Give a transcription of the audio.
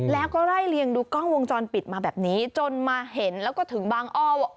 แล้วก็ไล่เลียงดูกล้องวงจรปิดมาแบบนี้จนมาเห็นแล้วก็ถึงบางอ้อว่า